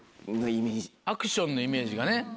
アクションのイメージがね。